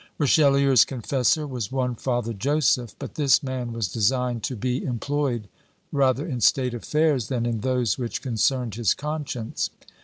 Richelieu's confessor was one Father Joseph; but this man was designed to be employed rather in state affairs, than in those which concerned his conscience.